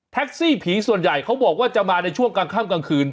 ซี่ผีส่วนใหญ่เขาบอกว่าจะมาในช่วงกลางค่ำกลางคืน